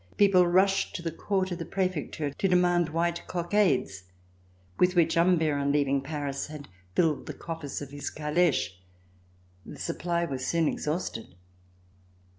People rushed to the court of the Prefecture to demand white cockades with which Humbert, on leaving Paris, had filled the coffers of his caleche. The supply was soon exhausted.